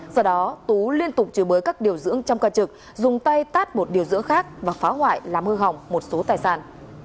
do đó tú liên tục chửi bới các điều dưỡng trong ca trực dùng tay tát một điều dưỡng khác và phá hoại làm hư hỏng một số tài sản